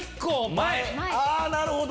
なるほど！